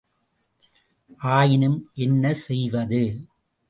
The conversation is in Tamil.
ஆயினும் என்ன செய்வது?